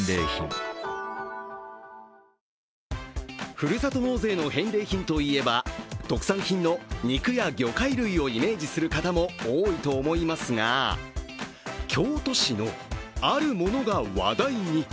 ふるさと納税の返礼品といえば特産品の肉や魚介類をイメージする方も多いと思いますが、京都市のあるものが話題に。